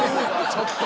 ちょっと。